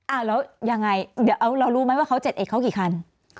อ่ะแล้วยังไงเดี๋ยวเรารู้มั้ยว่า๗เอ็ดเขากี่คัน